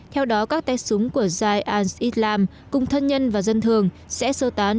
theo đó các tay súng của jais al islam cùng thân nhân và dân thường sẽ sơ tán